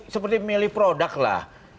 seperti milih produk lah